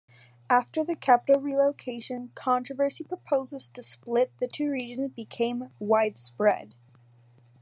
After the capital relocation controversy proposals to split the two regions became widespread.